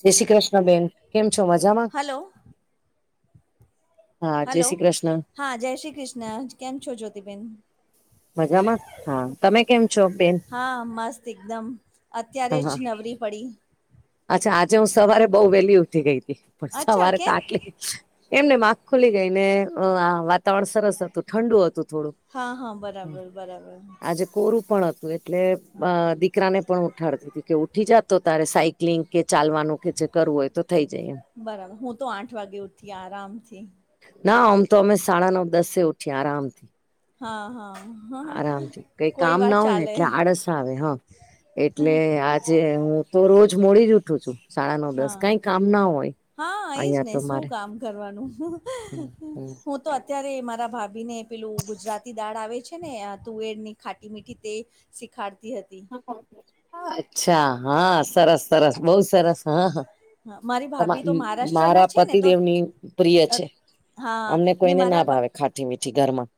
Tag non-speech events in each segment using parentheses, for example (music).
જય શ્રી કૃષ્ણ બેેન કેમ છો મજામાં હલો હા જય હલો શ્રી કૃષ્ણ હા જય શ્રી કૃષ્ણ કેમ છો જ્યોતિબેન મજામાં હા તમે કેમ છો બેન હા મસ્ત એકદમ અત્યારે હ જ હા નવરી પડી અચ્છા આજે હું સવારે બહુ વહેલી ઉઠી ગઈ હતી પણ અચ્છા સવારે તો કેમ આટલી એમને માગ ખુલી ગઈ ને વાત તણ સરસ હતું ઠંડુ હતું થોડું હા હા બરાબર બરાબર આજે કોરું પણ હતું. એટલે હા દીકરાને પણ ઉઠાડતી હતી કે ઉઠી જતો તારે સાયક ક્લિન કે ચાલવાનું કે જે કરવું હોય તો થઈ જાય એમ બરાબર હું તો આઠ વાગે ઉઠી આરામથી ના આમ તો અમે સાડા નવ દસે ઉઠીએ આરામથી. હા હા હા આરામથી કઈ કોઈ કામ વાત ના હોય ને ચાલે એટલે આળસ આવે હા એટલે આજે હ તો રોજ મોડી જ ઉઠું છું સાડા નવ દસ હા કઈ કામ ના હોય હા એજ અહિયાં ને તો શું મારે કામ કરવાનું તો અત્યારે મારા ભાભીને પેલું ગુજરાતી દાળ આવે છે ને તુવેરની ખાટી મીઠી તે શીખાડતી હતી અચ્છા હા સરસ સરસ બહુ સરસ હા હા, મારી ભાભી તો મહારાષ્ટ્રના મારા છે ને તો પતિદેવની પ્રિય અ છે હા અમને ને કોઈને મારા ના ભા ભાવે ખાઠી મીઠી ઘરમા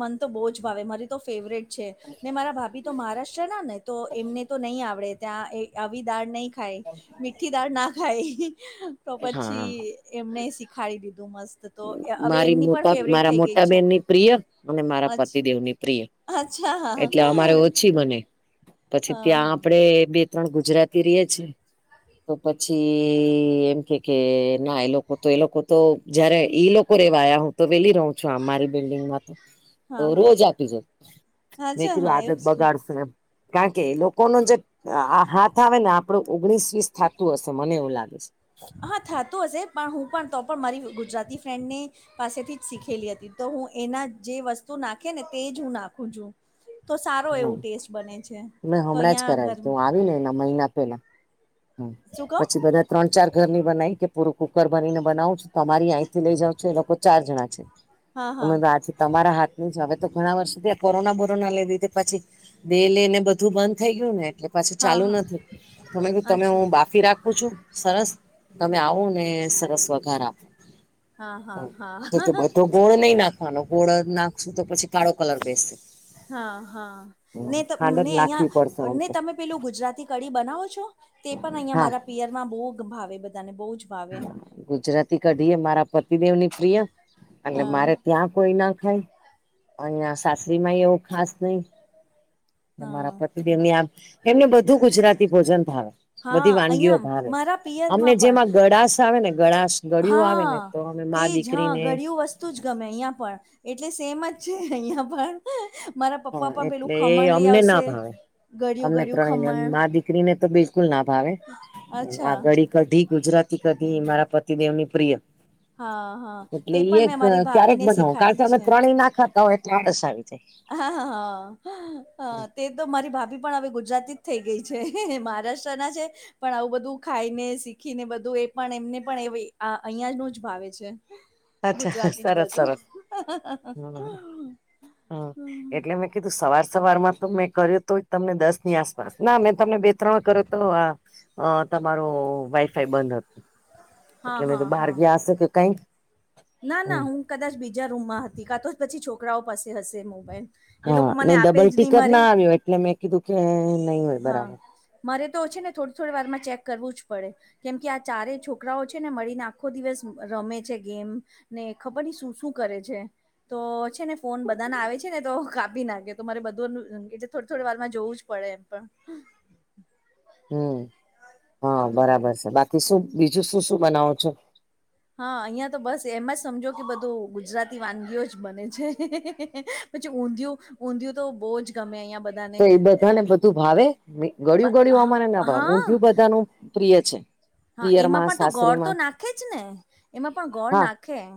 મન તો બહુ જ ભાવે મારી તો ફેવરેટ છે ને મારા ભાભી તો મહારાષ્ટ્ર ના ને તો એમને તો નહી આવડે ત્યાં આવી દાળ નહી ખાય મીઠી દાળ ના ખાય તો પછી હા એમને શીખાડી દીધું મસ્ત તો હવે મારી એમની પણ મોટા ફેવરટ મારા થઈ ગઈ મોટા છે બેનની પ્રિય અને મારા અચ્ પતિદેવની પ્રિય અચ્છા હા એટલે હા અમારે ઓછી બને પછી હા ત્યાં હા આપડે બે ત્રણ ગુજરાતી ર છેએ તો પ પછી એમ કે કે ના એ લોકો તો એ લોકો તો જયારે ઈ લોકો રેવાયા હું તો વેલી રહ છ અમારી બિલ્ડિંગમાં તો તો હા રોજ હા આપી જ મે અચ્છા કીધું હા આદત એવું છે બગાડશ કારણ કે લોકોનું જે હાથ આવે ને આપડું ઓગણીસ વીસ થતું હશે મને એવું લાગે છે હા થતું હશે પણ હું પણ તો પણ મારી ગુજરાતી ફ્રેન્ડ ને પાસેથી જ શીખેલી હતી તો હું એના જે વસ્તુ નાખે ને તે જ હું નાખું છું તો સારો હમ એવું ટેસ્ટ બને છે મેં તો હમણાં જ અહિયાં કરાવી આગર હતી હું આવી મહિના પેલા શું કહો પછી બધા ત્રણ ચાર ઘરની બનાવી કે પૂરું કુકર બનીને બનાવું છ તમારી અહીંથી લઈ જાવ છો એ લોકો ચાર જણા છે હા હા તમે આથી તમારા હાથ હવે તો ઘણા વર્ષથી કોરોના બોરોના લેધી પછી બેે લઈ ને બધું બંધ થઈ ગયું ને એટલે પછી હા ચાલુ હા નથી તમે અચ્છા હું બાફી રાખું છું સરસ તમે આવો ને સરસ વઘાર આપો હા હા તો હા બધો ગોળ નહી નાખવાનો ગોળ નાખશું તો પછી કાળો કલર બેસશે હા હા ન તો ખાંડ જ ને નાખવી પડશે અહિયાં આમ ને તો તમે પેલું ગુજરાતી કડી બનાવો છો તે પણ અહિયાં હા મારા પિયરમાં બહુ ભાવે બધા ને બહ જ ભાવે ગુજરાતી કઢીએ મારા પતિદેવની પ્રિય એટલે હા મારે ત્યાં કોઈ ના ખાય અહિયા સાસરી ય એવું ખાસ નઈ હા મારા પતિદેવ ની આમ એમને બધું ગુજરાતી ભોજન ભાવે હા બધી વાનગીઓ અહીંયા ભાવે મારા અમને પિયરમાં પણ જેમાં ગળાશ આવે ને ગળાશ ગળિયુ આવે ને હા તો અમે મા તે જ હા દીકરીને ગળિયું જ ગમે અહિયાં પણ એટલે સેમ જ છે અહિયાં પણ મારા હા પપ્પા પણ પેલું એટલે એ ખમણ લઈ અમને ના આવશે ભાવે ગળિયું ગળયું ખમણ બલકુલ ના ભાવે આ અચ્છા ગાડી કઢી ગુજરાતી કઢી મારા પતિદેવની પ્રિય હા હા એટલે તે પણ મેં મારી ક્યારેક ભાભીને બનાવો કારણ શીખાડી કે અમે છે. ત્રણેય ના ખત એટલે આળશ આવી જાય હા હા હા હા તે તો મારી ભાભી પણ હ ગુજરાતી થઈ ગઈ છે મહારાષ્ટ્રના છે. પણ આવું બધું ખાઈને શીખી ને બધું એ પણ એમને પણ એ અહિયાં નું જ ભાવે છે. અચ્છા ગુજરાતી જ સરસ બધું સરસ હમ હમ્મ એટલે મેં કીધું સવાર સવાર માં તો મેં કર્યો તો તમને દસ ની આસપાસ ના મેં તમને બે ત્રણ કરો તો આ અ તમારો વાઈફાઈ બંધ હતું હા એટલે મે તો હા બહાર હા ગયા હશે કે કઈક ના ના હું કદાચ બીજા રૂમમાં હતી કા તો પછી છોકરાઓ પાસે હશે મોબાઈલ એ હા લોકો મને નહી ડબલ આપે જ નહી ટીકજ ના મારી આવ્યો એટલે મેં કીધું કે નહી હોય હા બરાબર મારે તો છે ને થોડી થોડી વારમાં ચેક કરવું જ પડે. કેમ કે આ ચારે છોકરાઓ છે ને મળીને આખો દિવસ રમે છે ગેમ. ને ખબર ઈ શું શું કરે છે તો છે ને ફોન બધા ના આવે છે ને તો કાપી નાખે. તો મારે બધું કે થોડી થોડી વારમાં જોવું જ પડે એમ પણ. હમ હા બરાબર છે બાકી શું બીજું શું શું બનાવો છો? હા અહિયાં તો બસ એમ જ સમજો કે બધું ગુજરાતી વાનગીઓ જ બને છે. પછીઊંધિયુ ઊંધિયું તો બહુ જ ગમે અહીયાં તો એ બધાને બધું ભાવે બ ગળયું ગળિું હા અમાને ના ભાવે હા ઊંધયું બધાનું પ્રિય છે. હા પિયર એમાં માં પણ તો ગોળ તો સાસરીમાં નાખે જ ને એમાં પણ ગોળ હા નાખે એમ.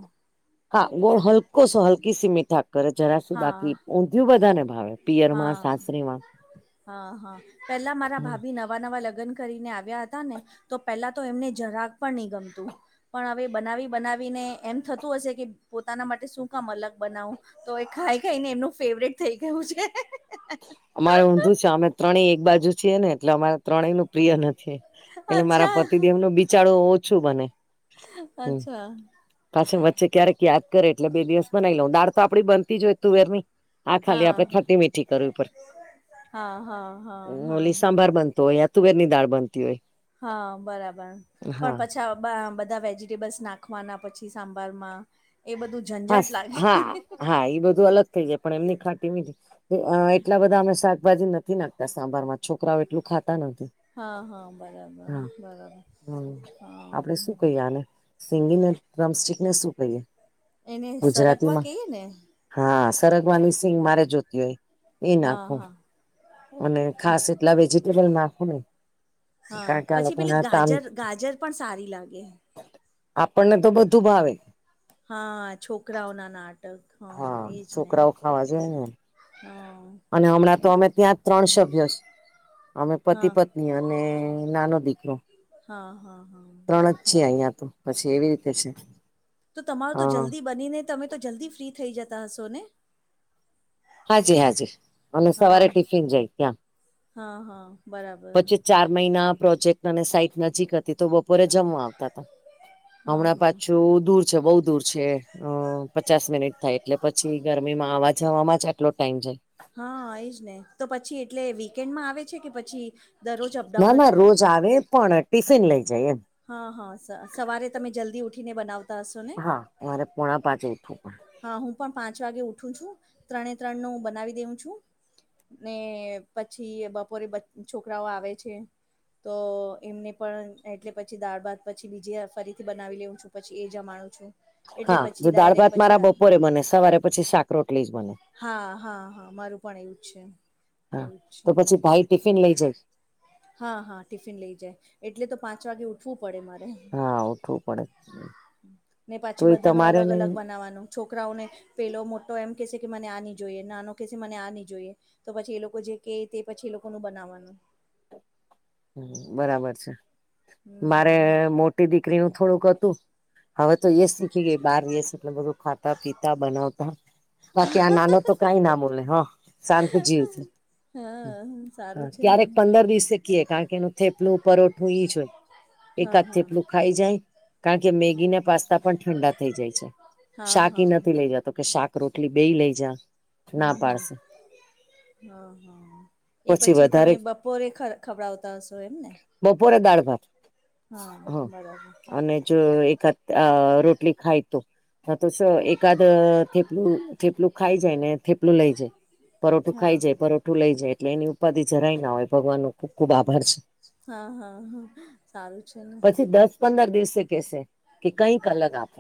હા ગોળ હલકો સો હલકી સી મીઠા કરે જરાસી હા બાકી ઊંધિયું બધા ને ભાવે પિયર હા માસ હા પેલા મારા ભાભી નવા નવા નવા લગ્ન કરીને આવ્યા હતા ને તો પેલા તો એમને જરાક પણ નહી ગમતું. પણ હવે બનાવી બનાવીને એમ થતું હશે કે પોતાના માટે શું કામ અલગ બનાવું. તો એ ખાઈ ખાઈ ને એમનું ફેવરેટ થઈ ગયું છે. અમારે ઊંધું છે અમે ત્રણેય એક બાજુ છીએ ને એટલે અમારે. ત્રણેય નું પ્રિય નથી એટલે મારા અચ્છા પતિ દે એમ ન બિચારો ઓછું બને. અચ્છા. પાછી વચ્ચે ક્યારેક યાદ કરે એટલે બે દિવસ બનાવી લઉ દાળ તો આપડી બનતી જ હોય તુવેર ની. આા ખાલી હા આપડે ખાટી મીઠી કરવી હા હા હા હા ઓલી સાંભાર બનતો હોય. તુવેર ની દાળ બનતી હોય. હા બરાબર પણ હા પછા બધા વેજીિટેબલ્સ નાખવાના પછી સાંભારમાં એ બધું હા ઝંઝટ લાગે હા હા એ બધું અલગ થઇ જાય પણ એમની ખાટી મીઠી એટલા બધા અમે શાકભાજી નથી નાખતા સાંભાર માં છોકરાઓ એટલું ખાતા નથી. હા હા બરાબર હા બરાબર હા. સિંગિલ રમસ્ટિક ને શું કહીએ? એને સરગવા ગુજરાતીમાં કહિયે ને. હા સરગવાની સિંંગ મારે જોતી હોય એ હા નાખો. હા અને હા ખાસ એટલા વેજીિટેબલ નાખો નઈ. હા પછી પેલી ગાજર ગાજર પણ સારી લાગે. આપણને તો બધું ભાવે. હા છોકરાઓના નાટક. હા એજ ને છોકરાઓ ખાવા જોઈએ ને હા અને હમણાં તો એ અમે ત્યાં ત્રણ સભ્ય અમે પતિ હા પત્ની અને નાનો દીકરો. હા હા હા. ત્રણ હા, જ છે બરાબર અહિયાં તો પછી એવી રીતે છે. તો તમારો તો હા જલ્દી બનીને તમે તો જલ્દી ફ્રી થઈ જતા હશો ને! હાજી હા જી અને હા સવારે ટિફિન જાય ત્યાં. હા હા બરાબર પછી ચાર મહિના પ્રોજેક્ટ અને સાઈટ નજીક હતી તો બ બપોરે જમવા આવતા હતા હા હમણાં હા પાછું દૂર બઉુ દૂર છે અ પચાસ મિનિટ થાય એટલે પછી ગરમીમાં આવા જવાવામાં જ આટલો ટાઈમ જાય હા એજ ને તો પછી એટલે વીકેન્ડમાં આવે છે કે પછી દરરોજ ના અપડાઉન જ ના કરે રોજ છે? આવે પણ ટિફિન લઈ જઈ એમ હા હા સવારે તમે જલ્દી ઉઠીને બનાવતા હશો ને હા મારે પોણા પાચ એ ઉઠવું પણ હા હું પણ પાંચ વાગે ઊઠું છું ત્રણે ત્રણ નુંહ બનાવી દેઉ છું. ને પછી બપોરે છોકરાઓ આવે છે. તો એમને પણ એટલે. પછી દાળ ભાત પછી બીજીે ફરીથી બનાવી લેઉું છું પછી એ જમાનું છું. હા એટલે જો પછી દાળ ડાયરેક્ટ ભાત પછી મારા રાત બપોરે બને સવારે પછી સાાકરોટલી જ બને હા હા હા મારું પણ એવું છે હા એવુંજ છે. તો પછી ભાઈ ટિફિન લઈ જાય હા હા ટિફિન લઈ જાય એટલે તો પાંચ વાગે ઉઠવું પડે મારે હા ઉઠવું પડે ને તો પાછી એ બધા ન તમારે અલગ ને અલગ બનાવાનું છોકરાઓને પેલો મોટો એમ કહેશે કે મને આ ન જોઈએ નાનો કહેશે મને આ ન જોઈએ તો પછી એ લોકો જે કે તે પછી એ લોકોનું બનાવવાનું બરાબર છે મારે હમ મોટી દીકરીનું થોડુંક હતું હવે તો શીખી ગઈ બાર યસ એટલે બધું ખાતા પીતા બનાવતા બાકી આ નાનો તો કઈ ના બોલને હ શાંત જીવ છે. હા સારું છે ને ક્યારેક પંદર દિવસે કીએ કારણ કે એનું થેપલું પરોઠું ઈ જ હોય. હા એકાદ હા થેપલું ખાઈ જાય કારણ કે હમ મેગી ના પાસ્તા પણ ઠંડા થઈ જાય છે. હા હા શાક હા નથી લઈ જાતો કે શાક રોટલી બે લઈ જા ના હમ પાડશે હમ હા હા એ પછી તમેપ પોોરે ખભડાવતા હશો એમ ને બપોરે દાળ ભત હ બરાબર અને જ એકાદ અ રોટલી ખાય તોું હ તો શ એકાદ થેપલું થેપલું ખાઈ જાય ને થેપલું લઈ જાય પરઠું હા ખાઈ હા જાય પરોઠું લઈ જાય એટલે એની ઉપાધિ જરાય ના હોય ભગવાન ન ખુબ ખુબ આભાર છે. હા હા હા સારું છે ને પછી દસ પંદર દિવસે કેશે કે કઈક અલગ આપો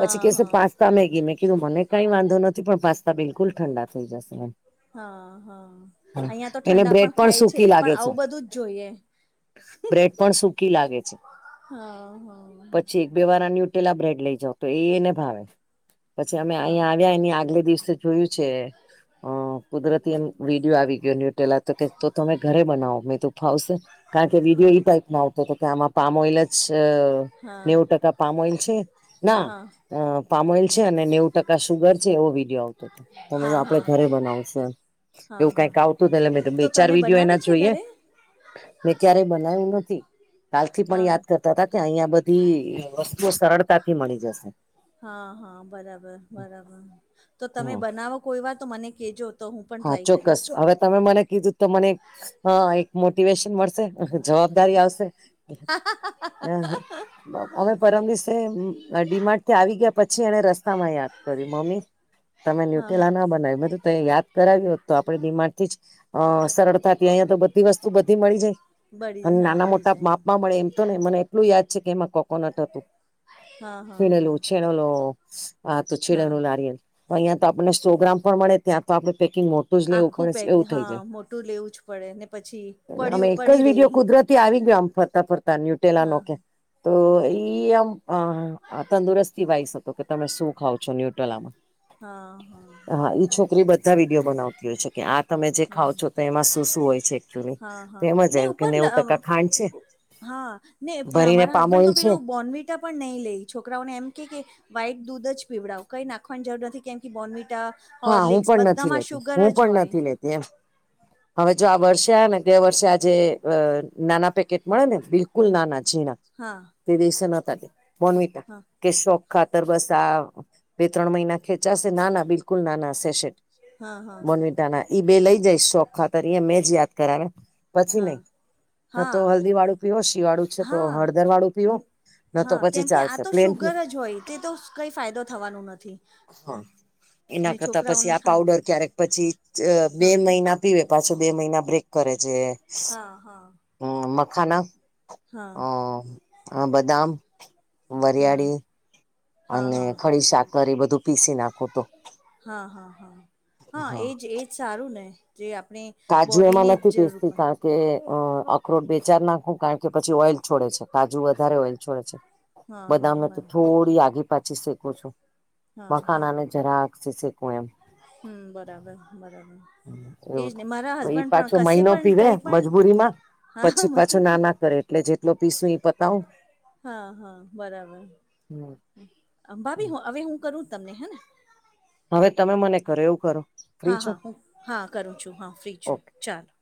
પછી કેશે હા પાસ્તા મેગી મે એું મને કઈ વાંધો નથી પણ પાસ્તા બિલકુલ ઠંડા થઈ જશે હા હા એમ અહં તો એને ઠંડા બ્રેડ પણ ખાય છે સૂકી લાગે પણ આવું બધું જ જોઈએ બ્રેડ પણ સકી લાગે છે હા હા પછી બે વાળ ન્યુટેલા બ્રેડ લઈ જાાવ તો એને ભાવે પછી અમે હા અહીંયા આવ્યા એની આગલે દિવસે જોયું છે. અ કુદરતી એમ વિડીિયો આવી ગયો ન્યુટેલા તો કે તો તમે ઘરે બનાવો આવશે કારણ કે હા વિડીયો એ ટાઈપમાં આવતો હતો કે આમાં પામ ઓલ જ હા નેવું ટકા પામ ઓઈલ છે ના હા અ પામોયલ છે અને નેવું ટકા સુગર છે એવો વિડીયો આવતો હતો તમે હા હા આપડ ઘરે બનાવશ હા એવું હા કઈક આવતું એ મે તો બે ચાર તમે વિડીયો એના બનાવી છે જોઈએ ઘરે મેં ક્યારેય બનાયું નથી કાલથી પણ હા યાદ કરતા હતા કે અહીિયાંયા બધી વસ્તુઓ સરળતાથી મળી જશે હા હા બરાબર બરાબર તો તમે હમ બનાવો કોઈ વાર તો મને કેજો તો હું પણ હા ટ્રાય ચોક્કસ કરીશ હવે તમે મને કીધું તો મને હ એક મોટિવેશન મળશે જવાબદારી આવશે (unintelligible) અમે પરમદીશ ડીમાર્ટ થી આવી ગયા પછી એને રસ્તામાં યાદ કર્યું મમ્મી તમે હા ન્યૂટેલા હા ના બનાવી્યું મેું યાદ કરાવ્યું હો તો આપે દિમાગથી જ અ સરળતાથી અહીંયા તો બધી વસ્તુ બધી મળી જાય બળી અને જાય હા નાના મળી મોટા જાય માપમાં મળે એમ તો નને મને એટલું યાદ છે કે એમાં કો કોનટ હતું હા હા હા છીણેલું છેીણેલો આ હતું હા છેીણેલું લારીિયલ તો અહીંયા તો આપણને સો ગ્રામ પણ મળે ત્યાં તો આપડણે પેકિંગ મોટું જ લેવું આખું પડે પેક એવું થઈ હા જાય. મોટું લેવું જ પડે ને પછી- - એટ અમે એક જ વિડિયો કુદરતી આવી ગયો આમ ફરતા ફરતા ન્યુટેલા નો હા કે- - તો એઈ આમ તંદુરસ્તી વાઇસ હતો કે તમે શું ખાવ છો ન્યુટ્રલમાં હા હા. હા ઈ છોકરી બધા વિડીયો બનાવતી હોય છે કે આ તમે જે હા ખાવ છો તો એમાં શું શું હોય છે. એકચુલી હા તો હા એમ જ ને આવ્યું કે ઉપર નેવું ટકા ખાંડ છે હા ને ભરીને મારા હસબેન્ડ પામોઇલ તો છે પેલું- - બોનવિટા પણ નહી લઈ છોકરાઓને એમ કે કે વાઈક દૂધ જ પીવડાવ કંઈ નાખો- - પણ જરૂર નથી કેમ કે બોર્નમિટા- - હા હું પણ નથી લેતી હું પણ હોય નથી લેતી એમ- - હવે જો આ વર્ષે આ ને ગ વર્ષે આજે નાના પેકેટ મળે ને બિલુ- - કુલ ના ના જી ના હા તે દ છે ન ત મન- હા - કે શોક ખાતર બસ આ બે ત્રણ મહિના ખેંચાશે નાના બિલકુલ નાના સેેટ- - હા હા મોનવિટા ના ઈ બે લઈ જઈશ શોખ ખાતર મેં જ યાદ કરાવ પછી નહી. ન હા તો હલ્દી વાળું પીવ શિયાવાળું છે હા તો હા હળદર વાળું ન પીવો- - હા કેમકે આ તો શુગર જ હોય તે તો કઈ ફાયદો થવાનું નથી. હા એના ને કરતા પછી છોકરાઓને આ ખાસ પાઉડર ક્યારેક પછી બે હા મહિના- - પીવે પાછો બે મહિના બ્રેક કરે છે. હા હા. હા મખના બદામ હમ વરિયાળી- - હા અને હા ખડી સાાકર એ બધું પીસી નાખું તો- - હા હા હા હા એજ એજ સારું ને જે આપણે- - કાજુ એમાં નથી પેસતી ક- - કે અ અખરોટ બે ચાર નાખવું કારણ કે પછી ઓઈલ છોડે છે કાજુ વધારે ઓઈલ છોડે છે- - હા હા બદામે તો બરાબર થોડી આગી પાછી શીખું છું. હા હા મખાનાને જરા શીકવું એમ. હમ બરાબર બરાબર. એવું એજ થાય ને મારા તો ઈ હસબન્ડ પણ પાછો કશે મહિનો પણ પીવે કઈ પણ મજબૂરી માં- - હા પછી પાછું ના ના કરે એટલે જેટલો પીસું એ પતાવું- - હા હા બરાબર ભાભી હવે હું કરું તમને હેને- - હવે તમે મને કરો એવું કરો? ફ્રી હા છો હા હું હા કરું છું હા ફ્રી ઓકે છું ચાલો.